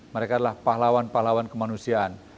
mereka adalah pahlawan pahlawan kemanusiaan